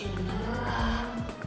woy si beneran